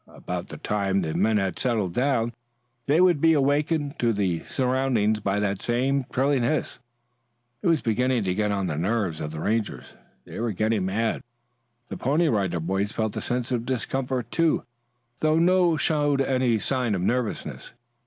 About the time the men had settled down, they would be awakened to their surroundings by that same trilling hiss. It was beginning to get on the nerves of the Rangers. They were getting mad. The Pony Rider Boys felt a sense of discomfort too, though none showed any nervousness.